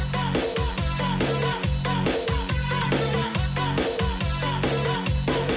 ทุกวันศุกราช๔ทุ่มถึง๕ทุ่ม